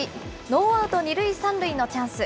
ノーアウト２塁３塁のチャンス。